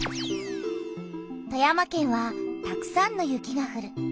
富山県はたくさんの雪がふる。